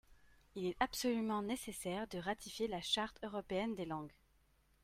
Il est absolument nécessaire de ratifier la Charte européenne des langues.